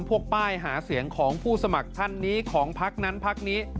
ป้ายหาเสียงของผู้สมัครท่านนี้ของพักนั้นพักนี้